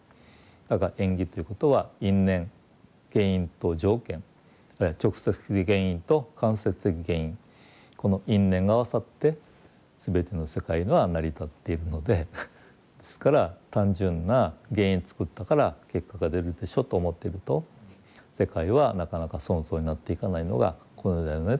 だから縁起ということは因縁原因と条件あるいは直接的原因と間接的原因この因縁が合わさって全ての世界が成り立っているのでですから単純な原因を作ったから結果が出るでしょと思ってると世界はなかなかそのとおりになっていかないのがこの世だよねと。